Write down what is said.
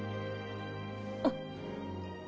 あっ。